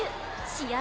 試合